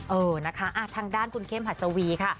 เออนะคะทางด้านคุณเข้มหัสวีค่ะ